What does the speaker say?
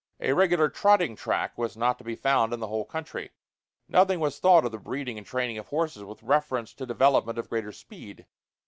A regular trotting track was not to be found in the whole country. Nothing was thought of the breeding and training of horses with reference to development of greater speed.